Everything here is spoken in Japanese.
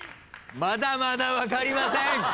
まだまだ分かりません！